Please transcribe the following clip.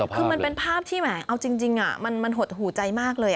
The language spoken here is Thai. คือมันเป็นภาพที่แหมเอาจริงมันหดหูใจมากเลย